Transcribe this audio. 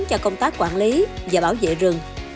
cho công tác quản lý và bảo vệ rừng